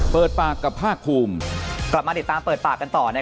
เปิดปากกับภาคภูมิกลับมาติดตามเปิดปากกันต่อ